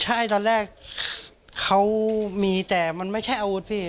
ใช่ตอนแรกเขามีแต่มันไม่ใช่อาวุธพี่